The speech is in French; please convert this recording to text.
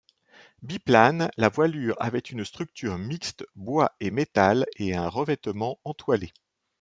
Biplane, la voilure avait une structure mixte bois et métal et un revêtement entoilé.